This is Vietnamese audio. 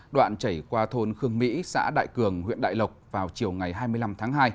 đoạn chảy qua thôn khương mỹ xã đại cường huyện đại lộc vào chiều ngày hai mươi năm tháng hai